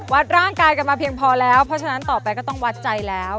ร่างกายกันมาเพียงพอแล้วเพราะฉะนั้นต่อไปก็ต้องวัดใจแล้ว